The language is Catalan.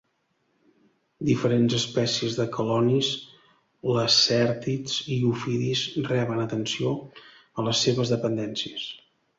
Diferents espècies de quelonis, lacèrtids i ofidis reben atenció a les seves dependències.